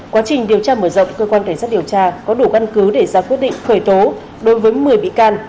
quá trình điều tra mở rộng cơ quan cảnh sát điều tra có đủ căn cứ để ra quyết định khởi tố đối với một mươi bị can